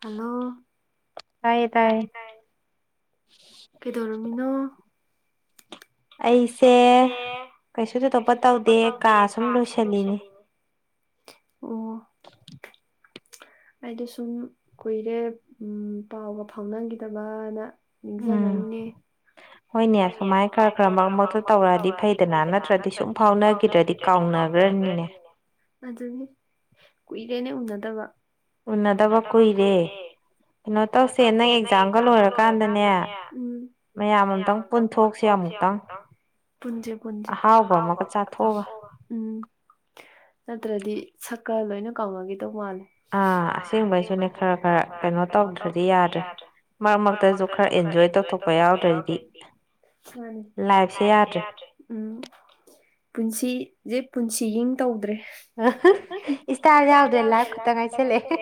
hello ꯇ ꯇꯥꯏ ꯀꯗꯔꯃꯤꯅꯣ ꯑꯩꯁꯦ ꯀꯩꯁꯨ ꯊꯗꯣꯞꯄ ꯇꯧꯗꯦ ꯀꯥ ꯁꯨꯝ ꯂꯣꯏꯁꯤꯜꯂꯤꯅꯦ ꯑꯣ [inaudible] ꯑꯩꯗꯣ ꯁꯨꯝ ꯀꯨꯏꯔꯦ ꯄꯥꯎꯒ ꯐꯥꯎꯅꯈꯤꯗꯕꯅ ꯌꯦꯖꯉꯏꯅꯦ ꯍꯣꯏꯅꯦ ꯁꯨꯃꯥꯏ ꯈꯔ ꯈꯔ ꯃꯔꯛ ꯃꯔꯛꯇ ꯇꯧꯔꯛꯑꯗꯤ ꯐꯩꯗꯅ ꯅꯠꯇ꯭ꯔꯗꯤ ꯁꯨꯡꯨꯝ ꯐꯥꯎꯅꯈꯤꯗ꯭ꯔꯗꯤ ꯀꯥꯎꯅꯈ꯭ꯔꯦ ꯑꯗꯨꯅꯤ ꯀꯨꯏꯔꯦꯅꯦ ꯎꯅꯗꯕ ꯎꯅꯗꯕ ꯀꯨꯏꯔꯦ ꯀꯩꯅꯣ ꯇꯧꯁꯦ ꯅꯪ ꯑꯦꯛꯖꯥꯝꯒ ꯂꯣꯏꯔꯀꯥꯟꯗꯅꯦ ꯃꯌꯥꯝ ꯑꯃꯨꯛꯇꯪ ꯄꯨꯟꯊꯣꯛꯁ ꯑꯃꯨꯛꯇꯪ ꯄꯨꯟꯖꯦ ꯄꯨꯟꯖꯦ ꯍꯥꯎꯕ ꯆ ꯐ ꯎꯝ ꯅꯠꯇ꯭ꯔꯗꯤ ꯁꯛꯀ ꯂꯣꯏꯅ ꯀꯥꯎꯅꯒ ꯇꯧꯕꯌ꯭ꯥꯟ ꯑꯥ ꯑꯁꯦꯡꯕꯩꯁꯤꯅꯦ ꯈꯔ ꯈꯔ ꯀꯩꯅꯣ ꯇꯧꯗ꯭ꯔꯗꯤ ꯌꯥꯗ꯭ꯔꯦ ꯃꯔꯛ ꯃꯔꯛꯇꯁꯨ ꯈꯔ ꯑꯦꯟꯖꯣꯏ ꯇꯧꯊꯣꯛꯄ ꯌꯥꯎꯗ꯭ꯔꯗꯤ [unintelligible] ꯂꯥꯏꯕꯁꯦ ꯌꯥꯗ꯭ꯔꯦ ꯎꯝ ꯄꯨꯟꯁꯤꯁꯦ ꯄꯨꯟꯁꯤꯏꯪ ꯇꯧꯗ꯭ꯔꯦ ꯑꯏꯇꯥꯏꯜ ꯌꯥꯎꯗꯦ ꯂꯥꯏꯕ ꯈꯠꯇꯪ ꯉꯥꯏꯁꯤꯜꯂꯛꯑꯦ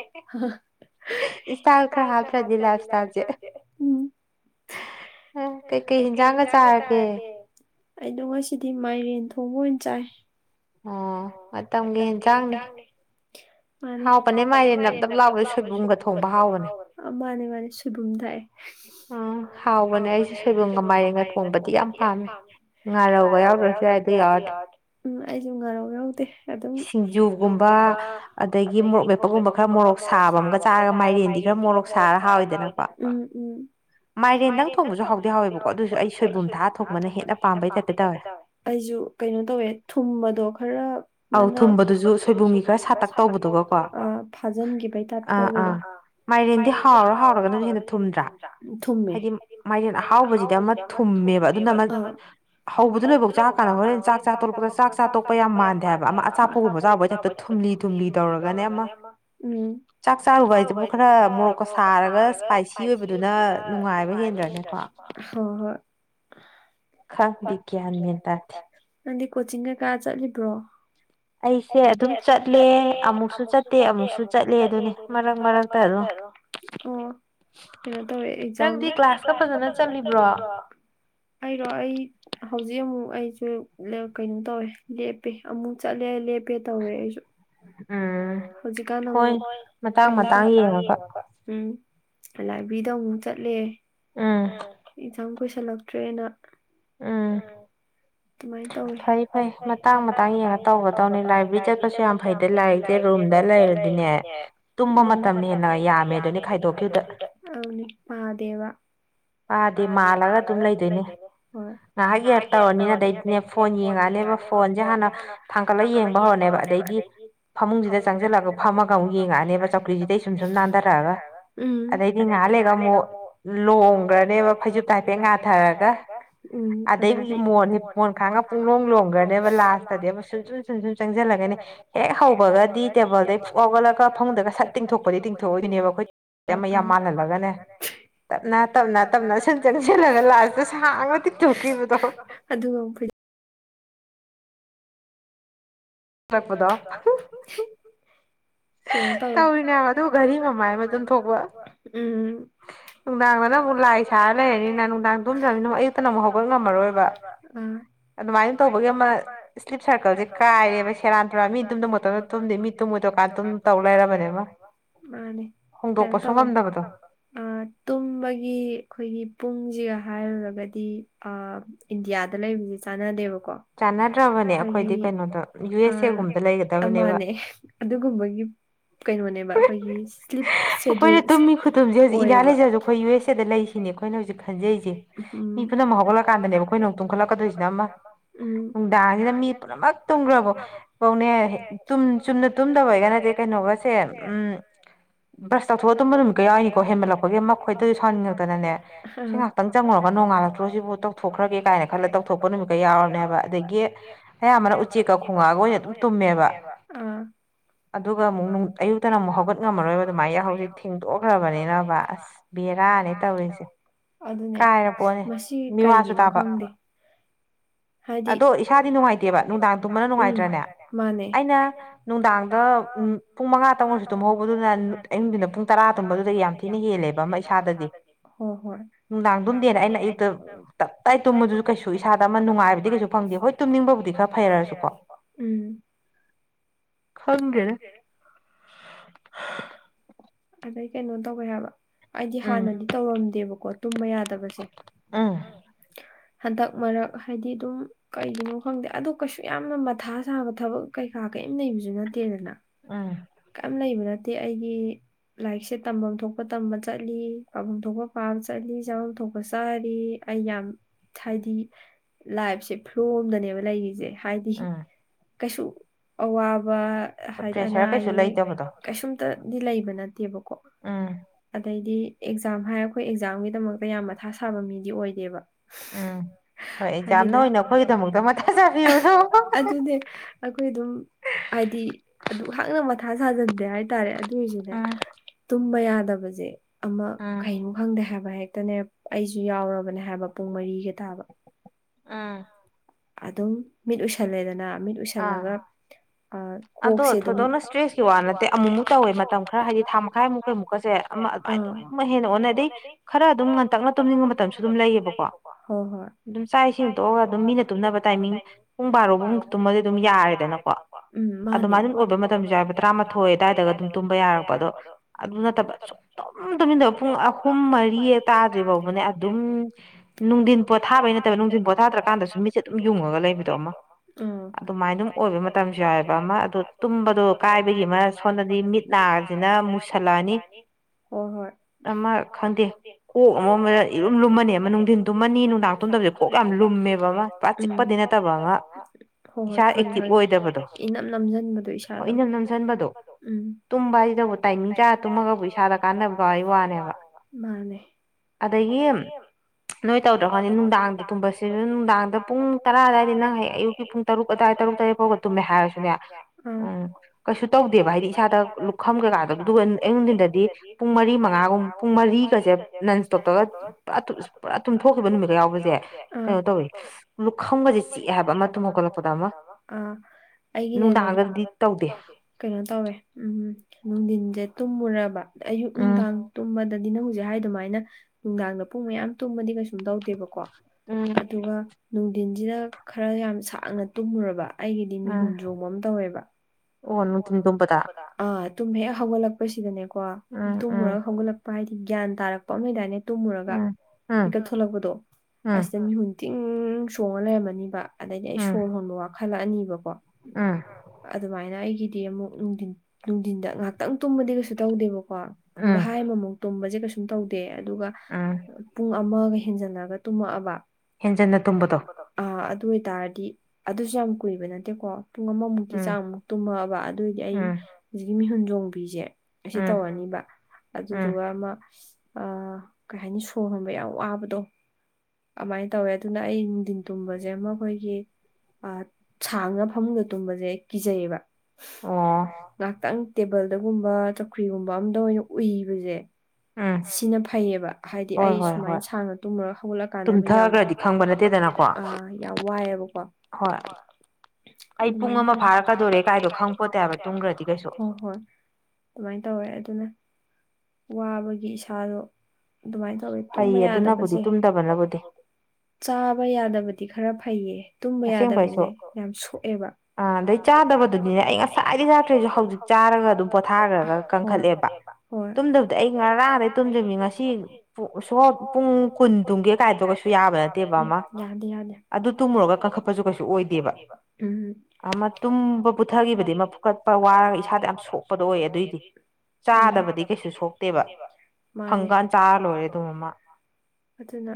ꯑꯏꯇꯥꯏꯜ ꯈꯔ ꯍꯥꯞꯇꯔꯗꯤ ꯂꯥꯏꯐꯑꯏꯇꯥꯏꯜ ꯁꯦ ꯀꯩꯀꯩ ꯌꯦꯟꯖꯥꯡꯒ ꯆꯥꯔꯒꯦ ꯑꯩꯗꯣ ꯉꯁꯤꯗꯤ ꯃꯥꯏꯔꯦꯟ ꯊꯣꯡꯕ ꯑꯣꯏꯅ ꯆꯥꯏ ꯑꯣ ꯃꯇꯝꯒꯤ ꯌꯦꯟꯁꯥꯡꯅꯤ ꯃꯥꯅꯦ ꯍꯥꯎꯕꯅꯦ ꯃꯥꯏꯔꯦꯟ ꯅꯞꯅꯞ ꯂꯥꯎꯕꯗ ꯁꯣꯏꯕꯨꯝꯒ ꯊꯣꯡꯕ ꯍꯥꯎꯕꯅꯦ ꯑ ꯃꯥꯅꯦ ꯃꯥꯅꯦ ꯁꯣꯏꯕꯨꯝ ꯊꯥꯛꯑꯦ ꯎꯝ ꯍꯥꯎꯕꯅꯦ ꯑꯩꯁꯦ ꯁꯣꯏꯕꯨꯝꯒ ꯃꯥꯏꯔꯦꯟꯒ ꯊꯣꯡꯕꯗꯤ ꯌꯥꯝ ꯄꯥꯝꯃꯦ ꯉꯥꯔꯧꯒ ꯌꯥꯎꯗ꯭ꯔꯁꯨ ꯌꯥꯏ ꯑꯗꯨ ꯌꯥꯎꯔꯗꯤ ꯎꯝ ꯑꯩꯁꯨ ꯉꯔꯧ ꯌꯥꯎꯗꯦ ꯑꯗꯨꯝ ꯁꯤꯡꯖꯨꯒꯨꯝꯕ ꯑꯗꯒꯤ ꯃꯣꯔꯣꯛ ꯃꯦꯠꯄꯒꯨꯝꯕ ꯈꯔ ꯃꯣꯔꯣꯛ ꯁꯥꯕ ꯑꯃꯒ ꯆꯥꯔꯒ ꯃꯥꯏꯔꯦ ꯌꯦꯟꯗꯤ ꯈꯔ ꯃꯣꯔꯣꯛ ꯁꯥꯔ ꯍꯥꯎꯋꯤꯗꯅꯀꯣ ꯎꯝ ꯎꯝ ꯃꯥꯏꯔꯦꯟ ꯗꯪ ꯊꯣꯡꯕꯁꯨ ꯍꯥꯎꯗꯤ ꯍꯥꯎꯋꯦꯕꯀꯣ ꯑꯗꯣꯏꯁꯨ ꯑꯩ ꯁꯣꯏꯕꯨꯝ ꯊꯥꯛꯑ ꯊꯣꯡꯕꯅ ꯍꯦꯟꯅ ꯄꯥꯝꯕꯩ ꯇꯥꯏꯞ ꯇ ꯇꯧꯋꯦ ꯗꯨ ꯀꯩꯅꯣ ꯇꯧꯋꯦ ꯊꯨꯝꯕꯗꯣ ꯈꯔ ꯃꯥꯅ ꯊꯨꯝꯕꯗꯨꯁꯨ ꯁꯣꯏꯕꯨꯝꯒꯤ ꯈꯔ ꯁꯥꯇꯛ ꯇꯧꯕꯗꯣ ꯕꯒꯥ ꯐꯥꯖꯟꯈꯤꯕꯩ ꯇꯥꯏꯞꯇ ꯇꯧꯕꯗꯣ ꯃꯥꯏꯔꯦꯟꯗꯤ ꯍꯥꯎꯔ ꯍꯥꯎꯔꯒꯅ ꯍꯦꯟꯅq ꯊꯨꯝꯗ꯭ꯔꯥ ꯊꯨꯝꯃꯦ ꯍꯥꯏꯗꯤ ꯃꯥꯏꯔꯦꯟ ꯑꯍꯥꯎꯕꯁꯤꯗꯤ ꯑꯃ ꯊꯨꯝꯃꯦꯕ ꯑꯗꯨ ꯍꯧꯕꯗꯩ ꯂꯣꯏꯐꯧ ꯆꯥ ꯀꯥꯟꯗ ꯍꯣꯔꯦꯟ ꯆꯥꯛ ꯆꯥ ꯇꯣꯛꯂꯛꯄꯗ ꯆꯥꯛ ꯇꯣꯛ ꯆꯥ ꯇꯣꯛꯄ ꯌꯥꯝ ꯃꯥꯟꯗꯦ ꯍꯥꯏꯕ ꯑꯃ ꯑꯆꯥꯄꯣꯠ ꯎꯕꯒ ꯆꯥꯕꯩꯅ ꯍꯦꯛꯇ ꯊꯨꯝꯂꯤ ꯊꯨꯝꯂꯤ ꯇꯧꯔꯒꯅꯦ ꯑꯃ ꯎ ꯆꯥꯛ ꯆꯥꯔꯨꯕ ꯍꯥꯏꯗꯕꯨ ꯈꯔ ꯃꯣꯔꯣꯛꯀ ꯁꯥꯔꯒ ꯏꯁꯄꯥꯏꯁꯤ ꯑꯣꯏꯕꯗꯨꯅ ꯅꯨꯡꯉꯥꯏꯕ ꯍꯦꯟꯗ꯭ꯔꯅꯦ ꯑꯥ ꯍꯣ ꯍꯣꯏ ꯅꯪꯗꯤ ꯀꯣꯆꯤꯡꯒ ꯀꯩꯀꯥ ꯆꯠꯂꯤꯕ꯭ꯔꯣ ꯑꯩꯁꯦ ꯑꯗꯨꯝ ꯆꯠꯂꯦ ꯑꯃꯨꯛꯁꯨ ꯆꯠꯇꯦ ꯑꯃꯨꯛꯁꯨ ꯆꯠꯂꯦ ꯑꯗꯨꯅꯤ ꯃꯔꯛ ꯃꯔꯛ ꯇꯔꯨ ꯑꯣ ꯀꯩꯅꯣ ꯇꯧꯋꯦ ꯑꯦꯛꯖꯥꯝ ꯅꯥꯪꯗꯤ ꯀ꯭ꯂꯥꯁ ꯀꯥ ꯐꯖꯅ ꯆꯠꯂꯤꯕꯔꯣ ꯍꯧꯖꯤꯛ ꯑꯃꯨꯛ ꯑꯩꯁꯨ ꯂꯦꯞ ꯀꯩꯅꯣ ꯇꯧꯋꯦ ꯂꯦꯞꯄꯦ ꯑꯃꯨꯛ ꯆꯠꯂꯦ ꯂꯦꯞꯄꯦ ꯇꯧꯋꯦ ꯑꯩꯁꯨ ꯎꯝ ꯍꯧꯖꯤꯛꯀꯥꯟ ꯑꯃꯨꯛ ꯍꯣꯏ ꯀꯩꯅꯣꯇꯨꯝ ꯃꯇꯥꯡ ꯃꯇꯥꯡꯒꯤ ꯌꯦꯡꯉꯒ ꯂꯥꯏꯕꯦꯔꯤꯗ ꯑꯃꯨꯛ ꯆꯠꯂꯦ ꯑꯝ ꯑꯦꯛꯖꯥꯝ ꯀꯨꯏꯁꯜꯂꯛꯇ꯭ꯔꯦꯅ ꯑꯝ ꯗꯨꯃꯥꯏꯅ ꯇꯧꯋꯦ ꯐꯩ ꯐꯩ ꯃꯇꯥꯡ ꯃꯇꯥꯡ ꯌꯦꯡꯉ ꯇꯧꯒꯗꯧꯅꯤ ꯂꯥꯏꯕꯦꯔꯤ ꯆꯠꯄꯁꯨ ꯌꯥꯝ ꯂꯥꯏꯔꯤꯛꯇꯤ ꯔꯨꯝꯗ ꯂꯩꯔꯗꯤꯅꯦ ꯇꯨꯝꯕ ꯃꯇꯝꯅ ꯍꯦꯟꯅ ꯌꯥꯝꯃꯦꯗꯨꯅꯤ ꯈꯥꯏꯗꯣꯛꯈꯤꯕꯗ ꯑꯪ ꯄꯥꯥꯗꯦꯕ ꯄꯥꯥꯗꯦ ꯃꯥꯜꯂꯒ ꯑꯗꯨꯝ ꯂꯩꯗꯣꯏꯅꯦ ꯉꯥꯏꯍꯥꯛ ꯌꯥꯟ ꯇꯧꯔꯅꯤꯅ ꯑꯗꯩꯗꯤꯅꯦ ꯐꯣꯟ ꯌꯦꯡꯉꯛꯅꯦꯕ ꯐꯣꯟꯁꯦ ꯍꯥꯟꯅ ꯊꯥꯡꯀꯠꯂ ꯌꯦꯡꯕ ꯍꯧꯔꯅꯦꯕ ꯑꯗꯩꯗꯤ ꯌꯤ ꯐꯃꯨꯡꯁꯤꯗ ꯆꯪꯁꯤꯜꯂꯒ ꯐꯝꯃꯒ ꯑꯃꯨꯛ ꯌꯦꯡꯉꯛꯑꯅꯦꯕ ꯆꯧꯀ꯭ꯔꯤꯁꯤꯗꯩ ꯁꯨꯝ ꯁꯨꯝ ꯅꯥꯟꯊꯔꯛꯑꯒ ꯑꯗꯩꯗꯤ ꯉꯥꯏꯍꯥꯛ ꯕꯂꯦꯛ ꯑꯃꯨꯛ ꯂꯣꯡ ꯒꯔꯅꯦꯕ ꯐꯩꯖꯨꯞ ꯍꯥꯏꯐꯦꯠ ꯉꯥꯊꯔꯒ ꯑꯗꯩ ꯃ ꯃꯣꯟ ꯈꯥꯡꯉ ꯄꯨꯡꯂꯣꯡ ꯂꯣꯡ ꯒꯔꯅꯦꯕ ꯂꯥꯁꯇꯗꯤ ꯑꯃ ꯁꯨꯝ ꯁꯨꯝ ꯆꯪꯁꯤꯜꯂꯒꯅꯦ ꯍꯦꯛ ꯍꯧꯕꯒꯗꯤ ꯇꯦꯕꯜꯗꯩ ꯐꯨꯛ ꯍꯧꯒꯠꯂꯒ ꯐꯃꯨꯡꯗꯒ ꯁꯠ ꯇꯤꯡꯊꯣꯛꯄꯗꯤ ꯇꯤꯡꯊꯣꯛꯑꯣꯏꯗꯣꯏꯅꯦꯕ ꯑꯩꯈꯣꯏ ꯌꯥꯝ ꯃꯌꯥꯝ ꯃꯥꯜꯍꯜꯂꯒꯅꯦ ꯇꯞꯅ ꯇꯞꯅ ꯇꯞꯅ ꯁꯨꯝ ꯁꯨꯝ ꯆꯪꯁꯜꯂꯒꯥ ꯂꯥꯁꯇ ꯒꯤꯕꯗꯣ ꯑꯗꯨꯒ ꯑꯃꯨꯛ ꯐꯩꯖꯨꯞ ꯐꯗ ꯀꯩꯅꯣ ꯇꯧꯋꯦ ꯇꯧꯔꯤꯅꯦ ꯍꯥꯏꯕꯥ ꯑꯗꯨ ꯘꯥꯔꯤ ꯃꯃꯥꯏ ꯑꯃ ꯗꯨꯝ ꯇꯣꯡꯕꯥ ꯎꯝ ꯅꯨꯡꯗꯥꯡꯗꯅꯪ ꯑꯃꯨꯛ ꯂꯥꯏ ꯁꯥꯥꯔ ꯂꯩꯔꯅꯤꯅ ꯅꯨꯡꯗꯥꯡ ꯄꯨꯨꯝꯗꯅ ꯑꯩ ꯀꯅ ꯑꯃꯨꯛ ꯍꯧꯒꯠ ꯉꯝꯃꯔꯣꯏꯕ ꯑꯗꯨꯃꯥꯏꯅ ꯇꯧꯕꯒꯤ ꯑꯃ ꯏꯁꯂꯤꯞ ꯁꯥꯔꯀꯜꯁꯦ ꯀꯥꯏꯔꯦꯕ ꯁꯦꯔꯥꯟ ꯑꯗꯨꯠꯇ꯭ꯔꯥ ꯃꯤ ꯇꯨꯝꯗꯃꯛꯇꯅ ꯇꯨꯝꯗꯦ ꯃꯤ ꯇꯨꯝꯃꯣꯏꯗꯧꯀꯥꯟꯗ ꯇꯨꯝ ꯇꯧ ꯂꯩꯔꯕꯅꯦꯕꯃ ꯍꯣꯡꯗꯣꯛꯄꯁꯨ ꯉꯝꯗꯕꯗꯣ ꯑ ꯇꯨꯝꯕꯒꯤ ꯑꯩꯈꯣꯏꯒꯤ ꯄꯨꯡ ꯁꯤꯒ ꯍꯥꯏꯔꯨꯔꯒꯗꯤ ꯏꯟꯗꯤꯌꯥꯗ ꯂꯩꯕꯁꯦ ꯆꯥꯟꯅꯗꯦꯕ ꯆꯥꯟꯅꯗ꯭ꯔꯕꯅꯦ ꯑꯩꯈꯣꯏꯗꯤ ꯀꯩꯅꯣꯗ ꯌꯨ ꯑꯦꯁ ꯥꯟꯅꯦ ꯑꯗꯨꯒꯨꯝꯕꯒꯤ ꯀꯩꯅꯣꯅꯦꯕ ꯑꯩꯈꯣꯏꯒꯤ ꯁ꯭ꯂꯤꯞ ꯑꯩꯈꯣꯏꯅ ꯇꯨꯝꯃꯤ ꯈꯨꯇꯨꯝꯁꯦ ꯍꯧꯖꯤꯛ ꯏꯟꯗꯤꯌꯥ ꯂꯩꯖꯔꯁꯨ ꯑꯩꯈꯣꯏ ꯌꯨ ꯑꯦꯁ ꯑꯦꯗ ꯂꯩꯁꯤꯅꯦ ꯑꯩꯈꯣꯏꯅ ꯍꯧꯖꯤꯛ ꯈꯟꯖꯩꯁꯦ ꯃꯤ ꯈꯨꯅꯃꯛ ꯍꯧꯒꯠꯂꯛꯀꯥꯟꯗꯅꯦꯕꯈꯣꯏ ꯅꯣꯡꯛ ꯇꯨꯝꯈꯠꯂꯛꯀꯗꯣꯏꯁꯤꯅ ꯑꯃ ꯅꯨꯡꯗꯥꯡꯁꯤꯅ ꯃꯤ ꯄꯨꯝꯅꯃꯛ ꯇꯨꯝꯈ꯭ꯔꯕꯣ ꯄꯧꯅꯦ ꯆꯨꯝꯅ ꯇꯨꯝꯗꯕ ꯍꯒꯅꯠꯇꯦ ꯀꯩꯅꯣꯒꯁꯦ ꯎꯝ ꯕ꯭ꯔꯁ ꯇꯧꯊꯣꯛꯑ ꯇꯨꯝꯕ ꯅꯨꯃꯤꯠꯀ ꯌꯥꯎꯏꯅꯤꯀꯣ ꯍꯦꯟꯃꯠꯂꯛꯄꯒꯤ ꯃꯈꯣꯏꯗꯁꯨ ꯁꯥꯍꯟꯅꯤꯡꯉꯛꯇꯅꯅꯦ ꯁꯤ ꯉꯥꯏꯥꯛꯇꯪ ꯆꯪꯉꯨꯔꯒꯣꯡ ꯜꯂꯛꯇ꯭ꯔꯣꯁꯤꯕꯨ ꯇꯧꯊꯣꯛꯈ꯭ꯔꯒꯦ ꯀꯥꯏꯅ ꯈꯂ ꯇꯧꯊꯣꯛꯄ ꯅꯨꯃꯤꯠꯀ ꯌꯥꯎꯔꯕꯅꯦꯕ ꯑꯗꯒꯤ ꯑꯌꯥꯝꯕꯅ ꯎꯆꯦꯛꯀ ꯈ ꯎ ꯉꯒ ꯑꯣꯏꯅ ꯑꯗꯨ ꯇꯨꯝꯃꯦꯕ ꯑꯗꯨꯒ ꯑꯃꯨꯛ ꯑꯌꯨꯛꯇꯅ ꯑꯃꯨꯛ ꯍꯧꯒꯠꯃ ꯑꯗꯨꯃ ꯍꯧꯖꯤꯛꯦꯡꯗꯣꯛꯈ꯭ꯔꯕꯅꯤꯅꯕ ꯌꯦꯔꯅꯤ ꯇꯧꯔꯤꯁꯦ ꯃꯁꯤ ꯀꯩꯒꯤꯅꯣ ꯈꯪꯗꯦ ꯑꯗꯣ ꯏꯁꯥꯗꯤ ꯅꯨꯡꯉꯥꯏꯇꯦꯕ ꯅꯨꯡꯗꯥꯡ ꯇꯨꯝꯕꯅ ꯅꯨꯡꯉꯥꯏꯇ ꯑꯩꯅ ꯅꯨꯡꯗꯥꯡꯗ ꯄꯨꯡ ꯃꯉ ꯇ ꯇꯨꯝꯍꯧꯕꯗꯨꯅ ꯑꯌꯨꯗꯨꯗ ꯄꯨꯡ ꯇꯔꯥ ꯇꯨꯝꯕꯗꯨꯗ ꯌꯥꯝ ꯊꯤꯅ ꯍꯦꯜꯂꯦꯕ ꯑꯃ ꯏꯁꯥꯗꯗꯤ ꯅꯨꯡꯗꯥꯡ ꯇꯨꯝꯗꯦꯅ ꯑꯩꯅ ꯑꯌꯨꯛꯇ ꯇꯞ ꯇꯥꯏ ꯇꯨꯝꯕꯗꯨꯁꯨ ꯀꯩꯁꯨ ꯏꯁꯥꯗ ꯑꯃ ꯅꯨꯡꯉꯥꯏꯕꯗꯤ ꯀꯩꯁꯨ ꯐꯪꯗꯦ ꯍꯣꯏ ꯇꯨꯝꯅꯤꯡꯕꯕꯨꯗꯤ ꯗꯤ ꯈꯔ ꯐꯩꯔꯁꯨ ꯀꯣ ꯈꯪꯗ ꯩ ꯀꯩꯅꯣ ꯇꯧꯋꯦ ꯍꯥꯏꯕ ꯑꯩꯗꯤ ꯍꯥꯟꯅꯗꯤ ꯇꯧꯔꯝꯗꯦꯕꯀꯣ ꯇꯨꯝꯕ ꯌꯥꯗ ꯌꯥꯗꯕꯁꯦ ꯍꯟꯗꯛ ꯃꯔꯛ ꯍꯥꯏꯗꯤ ꯑꯗꯨꯝ ꯀꯩꯒꯤꯅꯣ ꯈꯪꯗꯦ ꯑꯗꯨ ꯀꯩꯁꯨ ꯌꯥꯝꯅ ꯃꯊꯥ ꯁꯥꯕ ꯊꯕꯛ ꯀꯩꯀꯥ ꯀꯩ ꯀꯔꯤꯝ ꯂꯩꯩꯕꯁꯨ ꯅꯠꯇꯦꯗꯅ ꯑꯥ ꯀꯝ ꯂꯩꯕ ꯅꯠꯇꯦ ꯑꯩꯒꯤ ꯂꯥꯏꯔꯤꯛꯁꯦ ꯇꯝꯐꯝ ꯊꯣꯛꯄ ꯇꯝꯕ ꯆꯠꯂꯤ ꯄꯥꯝꯐꯝ ꯊꯣꯛꯄ ꯄꯥꯕ ꯆꯠꯂꯤ ꯆꯥꯐꯝ ꯊꯣꯛꯄ ꯆꯥꯔꯤ ꯑꯩ ꯌꯥꯝ ꯍꯥꯏꯗꯤ ꯂꯥꯏꯐꯁꯦ ꯐ꯭ꯂꯣꯝꯗꯅꯦꯕ ꯂꯩꯔꯤꯁꯦ ꯍꯥꯏꯗꯤ ꯀꯩꯁꯨ ꯑꯋꯥꯕ ꯍꯥꯏꯗꯤ ꯑꯅꯥ ꯑꯌꯦꯛ ꯀꯗꯕꯗ ꯂꯩꯕ ꯅꯠꯇꯦꯕꯀꯣ ꯑꯗꯩꯗꯤ ꯑꯦꯛꯖꯥꯝ ꯍꯥꯏꯔ ꯑꯩꯈꯣꯏ ꯑꯦꯛꯖꯥꯝꯒꯤꯗꯃꯛꯇ ꯌꯥꯝ ꯃꯊꯥ ꯁꯥꯕ ꯃꯤꯗꯤ ꯑꯣꯏꯗꯦꯕ ꯎꯝ ꯍꯥꯏꯗꯤ ꯑꯗꯨꯗꯤ ꯑꯩꯈꯣꯏ ꯑꯗꯨꯝ ꯍꯥꯏꯗꯤ ꯑꯗꯨ ꯍꯥꯛꯅ ꯃꯊ ꯄꯁꯥ ꯁꯥꯖꯟꯗꯦ ꯍꯥꯏꯇꯥꯔꯦ ꯑꯗꯨꯒꯤꯁꯨꯅꯦ ꯇꯨꯝꯕ ꯌꯥꯗꯕꯁꯦ ꯑꯃ ꯀꯩꯅꯩꯅꯣ ꯈꯪꯗꯦ ꯍꯥꯏꯕ ꯍꯦꯛꯇꯅꯦ ꯑꯩꯁꯨ ꯌꯥꯎꯔꯕꯅꯦ ꯍꯥꯏꯕ ꯄꯨꯡ ꯃꯔꯤꯒ ꯇꯥꯕ ꯑꯥ ꯑꯗꯨꯝ ꯃꯤꯠ ꯎꯁꯜꯂꯦꯗꯅ ꯃꯤꯠ ꯎꯏꯁꯜꯂꯒ ꯑꯗꯣ ꯊꯣꯏꯗꯣꯛꯅ ꯏꯁꯇ꯭ꯔꯦꯁꯀꯤ ꯋꯥ ꯅꯠꯇꯦ ꯑꯃꯨꯛꯃꯨꯛ ꯇꯧꯋꯦ ꯃꯇꯝ ꯈꯔ ꯍꯥꯏꯗꯤ ꯊꯥ ꯃꯈꯥꯏꯃꯨꯛ ꯀꯩꯃꯨꯛꯀꯁꯦ ꯑꯃ ꯑꯗꯨꯃꯅ ꯇꯧꯋ ꯍꯦꯟꯅ ꯑꯣꯟꯅꯩ ꯑꯗꯩ ꯈꯔ ꯑꯗꯨꯝ ꯉꯟꯇꯛꯅ ꯇꯨꯝꯅꯤꯡꯕ ꯃꯇꯝꯁꯨ ꯑꯗꯨꯝ ꯂꯩꯌꯦꯕꯀꯣ ꯑꯗꯨꯝ ꯆꯥꯏ ꯁꯤꯡ ꯇꯣꯛꯑꯒ ꯑꯗꯨꯝ ꯃꯤꯅ ꯇꯨꯝꯅꯕ ꯇꯥꯏꯃꯤꯡ ꯄꯨꯡ ꯕꯥꯔꯣꯐ ꯇꯨꯝꯃꯗꯤ ꯑꯗꯨꯝ ꯌꯥꯔꯦꯗꯅꯀꯣ ꯑꯗꯨ ꯃꯥ ꯑꯗꯨꯝ ꯑꯣꯏꯕ ꯃꯇꯝꯁꯨ ꯌꯥꯎꯔꯤꯕ ꯇꯔꯥꯃꯥꯊꯣꯏ ꯑꯗꯨꯋꯥꯏꯗꯒ ꯑꯗꯨꯝ ꯇꯨꯝꯕ ꯌꯥꯔꯛꯄ ꯑꯗꯣ ꯑꯗꯨ ꯅꯠꯇꯕ ꯁꯨꯝ ꯇꯨꯝ ꯇꯨꯃꯤꯟꯟꯅꯕ ꯄꯨꯡ ꯑꯍꯨꯝ ꯃꯔꯤ ꯇꯥꯗ꯭ꯔꯤ ꯐꯥꯎꯕꯅꯦ ꯑꯗꯨꯝ ꯅꯨꯡꯊꯤꯟ ꯄꯣꯊꯥꯕꯩ ꯩꯅ ꯅꯠꯇꯕ ꯅꯨꯡꯊꯤꯟ ꯄꯣꯊꯥꯗ꯭ꯔꯀꯥꯟꯗꯁꯨ ꯃꯤꯁꯦ ꯑꯗꯨꯝ ꯌꯨꯡꯉꯒ ꯂꯩꯕꯗꯣ ꯑꯃ ꯑꯗꯨꯃꯥꯏꯅ ꯑꯗꯨꯝ ꯑꯣꯏꯕ ꯃꯇꯝꯁꯨ ꯌꯥꯏꯑꯕ ꯑꯗꯨ ꯇꯨꯝꯕꯗꯣ ꯀꯥꯏꯕꯒꯤ ꯑꯃ ꯁꯣꯝꯗꯗꯤ ꯃꯤꯠ ꯅꯥꯁꯤꯅ ꯃꯨꯁꯜꯂꯛꯑꯅꯤ ꯟꯃꯥ ꯈꯪꯗꯦ ꯀꯣꯛꯅ ꯃꯔꯣꯟ ꯟꯃꯥ ꯏꯔꯨꯝ ꯂꯨꯝꯃꯅꯦꯕ ꯟꯃꯥ ꯅꯨꯡꯘꯤꯟ ꯇꯨꯝꯃꯅꯤ ꯅꯨꯡꯗꯥꯡ ꯇꯨꯝꯗꯕꯥꯖ ꯀꯣꯛ ꯌꯥꯝ ꯂꯨꯝꯃꯦꯕ [unintelligible] ꯅꯝꯖꯟꯕꯗꯣ ꯏꯁꯥꯗ ꯎꯝ ꯇꯨꯝꯕ ꯑꯍꯥꯏꯖꯤꯗꯕꯨ ꯇꯥꯏꯃꯤꯡ ꯆꯅꯥ ꯇꯨꯝꯃꯒꯕꯨ ꯏꯁꯥꯗ ꯀꯥꯟꯅꯕꯩ ꯋꯥꯅꯦꯕ ꯑꯗꯒꯤ ꯅꯣꯏ ꯇꯧꯗ꯭ꯔꯣ ꯍꯣꯅꯤ ꯅꯨꯡꯗꯥꯡꯗ ꯊꯨꯝꯕꯕꯁꯤ ꯑꯗ ꯄꯨꯡ ꯇꯔꯥ ꯑꯗꯨꯋꯥꯏꯗꯤ ꯅꯪ ꯑꯌꯨꯛꯀꯤ ꯄꯨꯡ ꯇꯔꯨꯛ ꯑꯋꯥꯏ ꯇꯔꯨꯛ ꯇꯔꯦꯠ ꯐꯥꯎꯕ ꯇꯨꯝꯃꯦ ꯍꯥꯏꯔꯁꯨ ꯑꯗꯨꯅꯦ ꯎꯝ ꯀꯩꯁꯨ ꯇꯧꯗꯦꯕ ꯍꯥꯏꯗꯤ ꯏꯁꯥꯗ ꯂꯨꯈꯝ ꯀꯩꯀꯥꯗꯣ ꯑꯗꯨꯒ ꯑꯩꯌꯨꯛ ꯅꯨꯡꯊꯤꯟꯗꯗꯤ ꯄꯨꯡ ꯃꯔꯤ ꯃꯉꯥꯒꯨꯝ ꯄꯨꯡ ꯃꯔꯤꯒꯁꯦ ꯅꯟ ꯁ꯭ꯇꯣꯞꯇꯒ ꯄꯨꯔꯥ ꯄꯨꯔꯥ ꯇꯨꯝꯊꯣꯛꯈꯤꯕ ꯅꯨꯃꯤꯠꯀ ꯌꯥꯎꯕꯁꯦ [unintelligible] ꯂꯨꯈꯝꯒꯥꯗꯤ ꯆꯤꯛꯑꯦ ꯍꯥꯏꯕ ꯑꯃꯥ ꯇꯨꯝ ꯍꯧꯒꯠꯂꯛꯄꯗ ꯑꯃ ꯑꯩꯒꯤꯅꯦꯅꯦ ꯂꯥꯛꯑꯒꯗꯤ ꯇꯧꯗꯦ ꯀꯩꯅꯣ ꯇꯧꯋꯦ ꯎꯝ ꯅꯨꯡꯊꯤꯟꯁꯦ ꯇꯨꯝꯃꯨꯔꯕ ꯑꯌꯨꯛ ꯅꯨꯡꯗꯥꯡ ꯇꯨꯝꯃ ꯗꯗꯤ ꯅꯪ ꯍꯧꯖꯤꯛ ꯍꯥꯏ ꯑꯗꯨꯃꯥꯏꯅ ꯅꯨꯡꯗꯥꯡꯗ ꯄꯨꯡ ꯃꯌꯥꯝ ꯇꯨꯝꯕꯗꯤ ꯀꯩꯁꯨꯝ ꯇꯧꯗꯦꯕꯀꯣ ꯑꯗꯨꯒ ꯅꯨꯡꯊꯤꯟꯁꯤꯅ ꯈꯔ ꯌꯥꯝ ꯁꯥꯡꯅ ꯇꯨꯝꯃꯨꯔꯕ ꯑꯩꯒꯤꯗꯤ ꯃꯤꯍꯨꯟ ꯆꯣꯡꯕ ꯑꯃ ꯇꯧꯋꯦꯕ ꯑꯣ ꯅꯨꯡꯊꯤꯟ ꯇꯨꯝꯕꯗ ꯇꯨꯝ ꯍꯦꯛ ꯍꯧꯒꯠꯂꯛꯄꯁꯤꯗꯅꯦꯀꯣ ꯇꯨꯝꯃꯨꯔꯒ ꯍꯧꯒꯠꯂꯛꯄ ꯍꯥꯏꯗꯤ ꯒ꯭ꯌꯥꯟ ꯇꯥꯔꯛꯄ ꯑꯃꯥ [unintelligible] ꯇꯨꯝꯃꯨꯔꯒ ꯃꯤꯀꯠ ꯊꯣꯛꯂꯛꯄꯗꯣ ꯑꯁꯤꯗ ꯃꯤꯍꯨꯟ ꯇꯤꯡ ꯆꯣꯡꯉꯥ ꯂꯩꯔꯝꯃꯅꯤꯕ ꯑꯗꯩꯗꯤ ꯑꯩ ꯁꯣꯔ ꯍꯣꯟꯕ ꯋꯥꯈꯠꯂꯛꯑꯅꯤꯕꯀꯣ ꯑꯗꯨꯃꯥꯏꯅ ꯑꯩ ꯑꯗꯨꯗꯤ ꯑꯃꯨꯛ ꯅꯨꯡꯊꯤꯟ ꯅꯨꯡꯊꯤꯟꯗ ꯉꯥꯏꯍꯥꯛꯇꯪ ꯇꯨꯝꯕꯗꯤ ꯀꯩꯁꯨ ꯇꯧꯗꯦꯕꯀꯣ ꯄꯨꯡꯒꯥꯏ ꯑꯃꯃꯨꯛ ꯇꯨꯝꯕꯁꯦ ꯀꯩꯁꯨꯝ ꯇꯧꯗꯦ ꯑꯗꯨꯒ ꯄꯨꯡ ꯑꯃꯒ ꯍꯦꯟꯖꯜꯂꯒ ꯇꯨꯝꯃꯛꯑꯕ [unintelligible] ꯑꯗꯨ ꯑꯣꯏꯇꯥꯔꯗꯤ ꯑꯗꯨꯁꯨ ꯌꯥꯝ ꯀꯨꯏꯕ ꯅꯠꯇꯦ ꯄꯨꯡ ꯑꯃꯃꯨꯛꯀꯤ ꯆꯥꯡꯃꯨꯛ ꯇꯨꯝꯃꯛꯑꯕ ꯑꯗꯨꯑꯣꯏꯗꯤ ꯑꯩ ꯍꯧꯖꯤꯛꯀꯤ ꯃꯤꯍꯨꯟꯆꯣꯡꯕꯤꯁꯦ ꯑꯁꯤ ꯇꯧꯔꯅꯤꯕ ꯑꯗꯨꯗꯨꯒ ꯑꯃ ꯑ ꯀꯩ ꯍꯥꯏꯅꯤ ꯁꯣꯟ ꯍꯣꯟꯕ ꯌꯥꯝ ꯋꯥꯕꯗꯣ ꯑꯗꯨꯃꯥꯏꯅ ꯇꯧꯋꯦ ꯑꯗꯨꯅ ꯑꯩ ꯅꯨꯡꯊꯤꯟ ꯇꯨꯝꯕꯁꯦ ꯑꯃ ꯑꯩꯈꯣꯏꯒꯤ ꯁꯥꯡꯅ ꯐꯃꯨꯡꯗ ꯇꯨꯝꯕꯁꯦ ꯀꯤꯖꯩꯌꯦꯕ ꯉꯥꯏꯍꯥꯛꯇꯪ ꯇꯦꯕꯜꯗꯒꯨꯝꯕ ꯆꯧꯈ꯭ꯔꯤꯒꯨꯝꯕ ꯑꯝꯗꯥ ꯑꯣꯏꯅ ꯎꯏꯕꯁꯦ [unintelligible] ꯁꯤꯅ ꯐꯩꯌꯦꯕ ꯍꯥꯏꯗꯤ ꯑꯩ ꯁꯨꯃꯥꯏꯅ ꯁꯥꯡꯅ ꯇꯨꯝꯃꯨꯔꯥꯒ ꯍꯧꯒꯠꯂꯀꯥꯟꯗ [unintelligible] ꯑꯥ ꯌꯥꯝ ꯋꯥꯏꯑꯦꯕꯀꯣ ꯍꯣꯏ ꯑꯗꯨꯃꯥꯏꯅ ꯄꯨꯡ ꯟꯃꯥ ꯐꯥꯔꯛꯀꯗꯣꯔꯦ ꯀꯥꯏꯗꯣ ꯈꯪꯄꯣꯠꯇꯦꯕ [unintelligible] ꯑꯗꯨꯃꯥꯏꯅ ꯇꯧꯋꯦ ꯑꯗꯨꯅ ꯋꯥꯕꯒꯤ ꯏꯁꯥꯗꯣ ꯑꯗꯨꯃꯥꯏꯅ ꯇꯧꯋꯦ ꯇꯨꯝꯕ ꯌꯥꯗꯕꯁꯦ ꯆꯥꯕ ꯌꯥꯗꯕ ꯗꯤ ꯈꯔ ꯐꯩꯌꯦ ꯇꯨꯝꯕ ꯌꯥꯗꯕꯁꯦ ꯌꯥꯝ ꯁꯣꯛꯑꯦꯕ ꯑꯥ ꯑꯗꯩ ꯆꯥꯗꯕꯗꯗꯤꯅꯦ ꯑꯩ ꯉꯁꯥꯏꯗꯤ ꯆꯥꯛꯇ꯭ꯔꯁꯨ ꯍꯧꯖꯤꯛ ꯆꯥꯔꯒ ꯑꯗꯨꯝ ꯄꯣꯊꯥꯈ꯭ꯔꯒ ꯀꯟꯈꯠꯂꯦꯕ ꯇꯨꯝꯗꯕꯗ ꯑꯩ ꯉꯥꯡ ꯉꯔꯥꯡꯗꯒꯤ ꯇꯨꯝꯗꯔ꯭ꯤꯕꯅꯤ ꯉꯁꯤ [unintelligible] ꯄꯨꯡ ꯀꯨꯟ ꯇꯨꯝꯒꯦ ꯀꯥꯏꯗ ꯀꯩꯁꯨ ꯌꯥꯕ ꯅꯠꯇꯦꯕ ꯑꯃ ꯌꯥꯗꯦ ꯌꯥꯗꯦ ꯑꯗꯨ ꯄꯁꯨ ꯀꯩꯁꯨ ꯑꯣꯏꯗꯦꯕ ꯑꯃꯥ ꯇꯨꯝꯕ ꯄꯨꯊꯈꯤꯕꯗꯤ ꯑꯃꯥ ꯐꯨꯀꯠꯄ ꯋꯥꯔꯒ ꯏꯁꯥꯗ ꯌꯥꯝ ꯁꯣꯛꯄꯗꯣ ꯑꯣꯏꯌꯦ ꯑꯗꯨꯑꯣꯏꯗꯤ ꯐꯠꯇꯕꯗꯤ ꯀꯩꯁꯨ ꯁꯣꯛꯇꯦꯕ ꯐꯪꯀꯥꯟ ꯆꯥꯔ ꯂꯣꯏꯔꯦ ꯑꯗꯨꯝ ꯑꯃ ꯑꯗꯨꯅ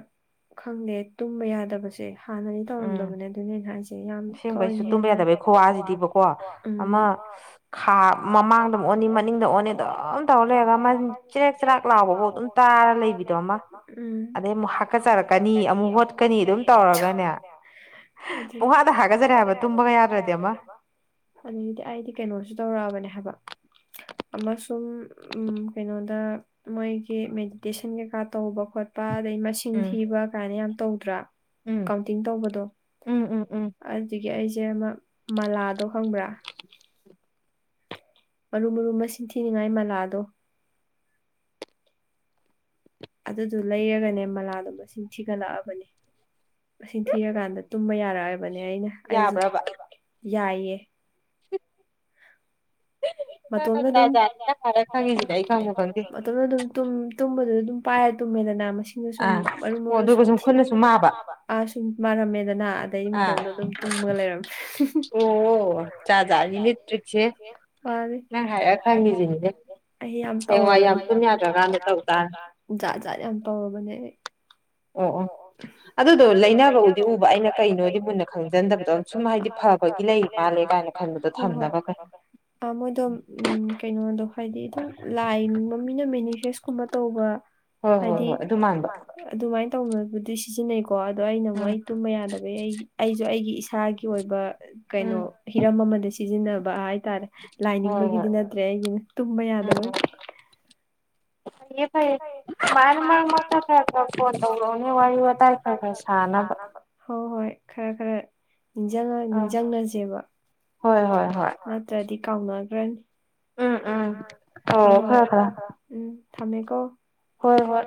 ꯈꯪꯗꯦ ꯇꯨꯝꯕ ꯌꯥꯗꯕ ꯎꯝ ꯑꯁꯦꯡꯕꯩꯁꯨ ꯇꯨꯝꯕ ꯌꯥꯗꯕꯩ ꯈꯨꯋꯥꯁꯤꯗꯤꯕꯀꯣ ꯑꯃ ꯈꯥ ꯃꯃꯥꯡꯗ ꯑꯣꯅꯤ ꯃꯅꯤꯡꯗ ꯑꯣꯅꯤ ꯑꯗꯨꯝ ꯇꯧꯔ ꯂꯩꯔꯒ [unintelligible] [unintelligible] ꯂꯥꯎꯕꯐꯧ ꯑꯗꯨꯝ ꯇꯥꯔ ꯂꯩꯕꯤꯗꯣ ꯑꯃ ꯑꯗꯩ ꯑꯃꯨꯛ ꯍꯥꯀꯠꯆꯔꯛꯀꯅꯤ ꯑꯃꯨꯛ ꯍꯣꯠꯀꯅꯤ ꯑꯗꯨꯝ ꯇꯧꯔꯒꯅꯦ [unintelligible] ꯍꯥꯒꯖꯔꯦ ꯍꯥꯏꯕ ꯇꯨꯝꯕꯒ ꯌꯥꯔ꯭ꯔꯗꯤ ꯑꯃ ꯑꯗꯨꯗꯤ ꯑꯩꯗꯤ ꯀꯩꯅꯣꯁꯨ ꯇꯧꯔꯛꯑꯕꯅꯦ ꯍꯥꯏꯕ ꯑꯃꯁꯨꯡ ꯀꯩꯅꯣꯗ ꯃꯣꯏꯒꯤ ꯃꯦꯗꯤꯇꯦꯁꯟ ꯀꯩꯀꯥ ꯇꯧꯕ ꯈꯣꯠꯄ ꯑꯗꯩ ꯃꯁꯤꯡ ꯊꯤꯕ ꯀꯥꯏꯅ ꯌꯥꯝ ꯇꯧꯗ꯭ꯔꯥ ꯀꯥꯎꯟꯇꯤꯡ ꯇꯧꯕꯗꯣ ꯑꯗꯨ [unintelligible] ꯑꯩꯁꯦ ꯑꯃ ꯃꯂꯥꯗꯣ ꯈꯪꯕ꯭ꯔꯥ ꯃꯔꯨꯝ ꯃꯔꯨꯝꯕ ꯃꯁꯤꯡ ꯊꯤꯅꯤꯉꯥꯏ ꯃꯂꯥꯗꯣ ꯑꯗꯨꯗꯨꯣ ꯂꯩꯔꯒꯅꯦ ꯃꯂꯥꯗꯣ [unintelligible] ꯊꯤꯒꯠꯂꯛꯑꯕꯅꯤ ꯃꯁꯤꯡ ꯊꯤꯔꯀꯥꯟꯗ ꯇꯨꯝꯕ ꯌꯥ [unintelligible] ꯅꯦ ꯑꯩꯅ ꯑꯩꯁꯦ ꯌꯥꯏꯌꯦ [inaudible] ꯃꯇꯣꯝꯗ ꯑꯗꯨꯝ ꯃꯇꯣꯝꯗ ꯑꯗꯨꯝ ꯇꯨꯝꯕ ꯑꯗꯨꯝ ꯄꯥꯏ ꯇꯨ ꯃꯦꯗ [unintelligible] ꯁꯤꯡꯅ ꯁꯨꯝ ꯃꯔꯨ ꯃꯔꯨ ꯁꯨꯝ [unintelligible] ꯑ ꯁꯨꯝ ꯃꯥꯔꯝꯃꯦꯗꯅ ꯑꯗꯩ ꯃꯇꯣꯝꯗ ꯑꯗꯨꯝ [unintelligible] ꯑꯣ ꯖꯥꯠ ꯖꯥꯠꯅꯤ ꯅꯦ ꯇ꯭ꯔꯤꯛꯁꯦ [unintelligible] [unintelligible] [unintelligible] ꯑꯣ ꯑꯣ ꯑꯗꯨꯗꯣ ꯂꯩꯅꯕꯕꯨꯗꯤ ꯎꯕ ꯑꯩꯅ ꯀꯩꯅꯣꯗꯤ ꯃꯨꯟꯅ ꯈꯪꯖꯟꯗꯕꯗꯣ ꯁꯨꯝ ꯍꯥꯏꯗꯤ ꯐꯕꯒꯤ ꯂꯩ ꯃꯥꯜꯂꯦ ꯀꯥꯏꯅ ꯈꯟꯕꯗꯣ ꯊꯝꯅꯕ ꯀꯩꯅꯣ ꯑ ꯃꯣꯏꯗꯣ ꯎꯝ ꯀꯩꯅꯣꯗꯣ ꯍꯥꯏꯗꯤ ꯑꯗꯨꯝ ꯂꯥꯏ [unintelligible] ꯇꯦꯛꯁ ꯀꯨꯝꯕ ꯇꯧꯕ ꯍꯥꯏꯗꯤ ꯑꯗꯨꯃꯥꯏꯅ ꯇꯧꯅꯕꯗꯤ ꯁꯤꯖꯤꯟꯅꯩ ꯀꯣ ꯀꯣ ꯑꯗꯣ ꯑꯩꯅ ꯑꯃꯨꯛ ꯑꯩ ꯇꯨꯝꯕ ꯌꯥꯗꯕꯒꯤ ꯑꯩꯒꯤ ꯑꯩꯁꯨ ꯑꯩꯒꯤ ꯏꯁꯥꯒꯤ ꯑꯣꯏꯕ ꯀꯩꯅꯣ ꯍꯤꯔꯝ ꯑꯃꯗ ꯁꯤꯖꯤꯟꯅꯕ ꯍꯥꯏꯇꯥꯔꯦ ꯂꯥꯏꯅꯤꯡꯕꯒꯤꯗꯤ ꯅꯠꯇ꯭ꯔꯦ ꯑꯩꯒꯤꯅꯦ ꯇꯨꯝꯕ ꯌꯥꯗꯕꯒꯤ ꯐꯩꯌꯦ ꯐꯩꯌꯦ ꯃꯥꯅ ꯃꯔꯛ ꯃꯔꯛꯇ ꯈꯔ ꯈꯔ ꯐꯣꯟ ꯇꯧꯔꯛꯎꯅꯦ ꯋꯥꯔꯤ ꯋꯥꯇꯥꯏ ꯈꯔ ꯈꯔ ꯁꯥꯅꯕ [unintelligible] ꯈꯔ ꯈꯔ ꯅꯤꯡ [unintelligible] ꯅꯤꯡꯁꯤꯡꯅꯁꯦꯕ ꯍꯣ ꯍꯣꯏ ꯅꯠꯇ꯭ꯔꯗꯤ ꯀꯥꯎꯅꯈ꯭ꯔꯅꯤ ꯎꯝ ꯎꯝ ꯇꯧꯔꯛꯑꯣ ꯈꯔꯥ ꯈꯔꯥ ꯊꯃꯦꯀꯣ ꯍꯣꯏ ꯍꯣꯏ